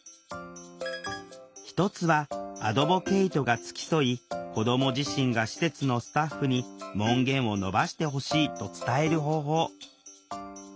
一つはアドボケイトが付き添い子ども自身が施設のスタッフに「門限を延ばしてほしい」と伝える方法。